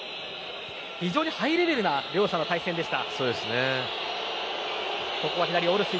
非常にハイレベルな両者の対戦でした。